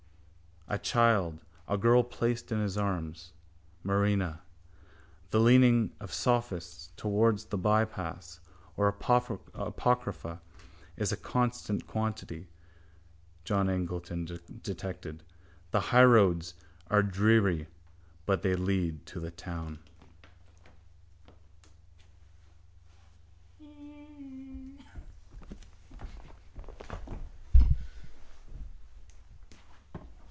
—A child, a girl, placed in his arms, Marina. —The leaning of sophists towards the bypaths of apocrypha is a constant quantity, John Eglinton detected. The highroads are dreary but they lead to the town.